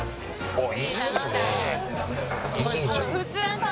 おっ！